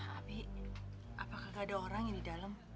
habi apakah gak ada orang yang di dalam